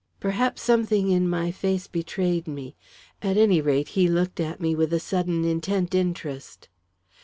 Perhaps something in my face betrayed me; at any rate, he looked at me with a sudden intent interest.